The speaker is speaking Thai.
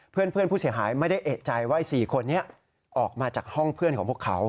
เพื่อนผู้เสียหายไม่ได้เอกใจว่า๔คนนี้ออกมาจากห้องเพื่อนของพวกเขา